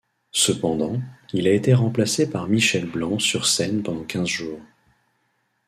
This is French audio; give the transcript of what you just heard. Cependant, il a été remplacé par Michel Blanc sur scène pendant quinze jours.